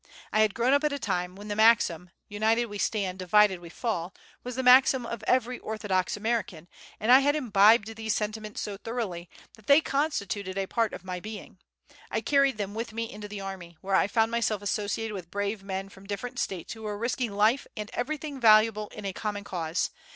I had grown up at a time ... when the maxim, 'United we stand, divided we fall' was the maxim of every orthodox American; and I had imbibed these sentiments so thoroughly that they constituted a part of my being. I carried them with me into the army, where I found myself associated with brave men from different States who were risking life and everything valuable in a common cause